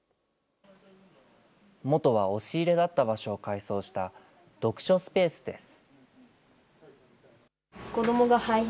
元は押し入れだった場所を改装した読書スペースです。